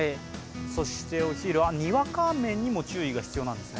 そしてお昼、にわか雨にも注意が必要なんですね。